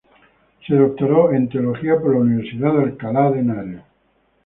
Se doctoró en Teología por la Universidad de Alcalá de Henares.